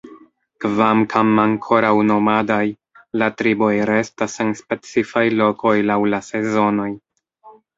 Kvankam ankoraŭ nomadaj, la triboj restas en specifaj lokoj laŭ la sezonoj.